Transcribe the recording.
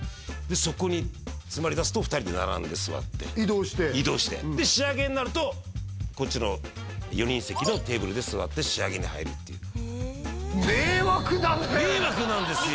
そこに詰まりだすと２人で並んで座って移動して移動してで仕上げになるとこっちの４人席のテーブルで座って仕上げに入るっていう迷惑なんですよ